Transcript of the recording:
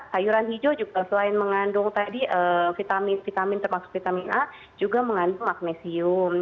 sayuran hijau juga selain mengandung tadi vitamin vitamin termasuk vitamin a juga mengandung magnesium